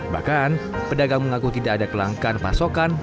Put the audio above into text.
bahkan pedagang mengaku tidak ada kelangkaan pasokan